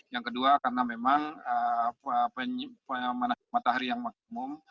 yang kedua karena memang pemanas matahari yang maksimum